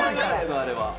あれは。